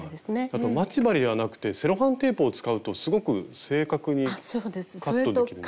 あと待ち針ではなくてセロハンテープを使うとすごく正確にカットできるんですね。